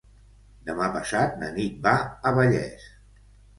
Demà passat na Nit va a Vallés.